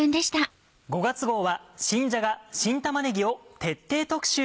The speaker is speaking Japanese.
５月号は新じゃが・新玉ねぎを徹底特集。